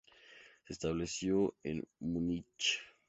Se estableció en Múnich.